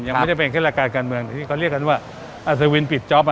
ยังไม่ได้เป็นแค่รายการการเมืองที่เขาเรียกกันว่าอัศวินปิดจ๊อป